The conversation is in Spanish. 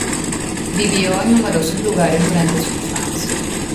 Vivió en numerosos lugares durante su infancia.